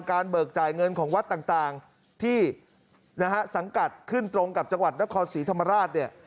เบิกจ่ายเงินของวัดต่างที่นะฮะสังกัดขึ้นตรงกับจังหวัดนครศรีธรรมราชเนี่ย